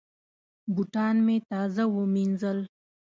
بوټان مې تازه وینځل.